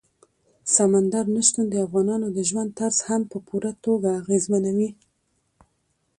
سمندر نه شتون د افغانانو د ژوند طرز هم په پوره توګه اغېزمنوي.